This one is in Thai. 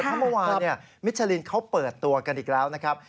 เพราะเมื่อวานมิชลินเขาเปิดตัวกันอีกแล้วนะครับ